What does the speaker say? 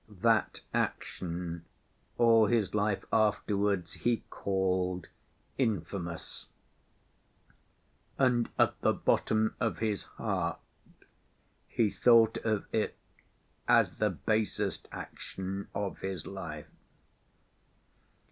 That "action" all his life afterwards he called "infamous," and at the bottom of his heart, he thought of it as the basest action of his life.